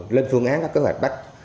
lên phương án các kế hoạch bắt